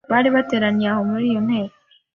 bari bateraniye aho muri iyo nteko